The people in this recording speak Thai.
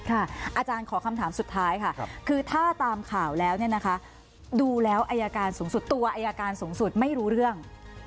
อาจารย์ขอคำถามสุดท้ายค่ะคือถ้าตามข่าวแล้วเนี่ยนะคะดูแล้วอายการสูงสุดตัวอายการสูงสุดไม่รู้เรื่อง